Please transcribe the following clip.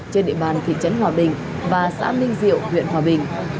trên địa bàn thị trấn hòa bình và xã ninh diệu huyện hòa bình